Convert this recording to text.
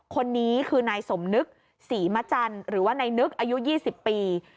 คนนี้คือนายสมนึกศรีมจันทร์หรือว่านายนึกอายุ๒๐ปี